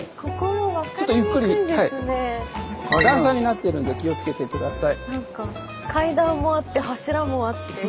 段差になってるんで気を付けて下さい。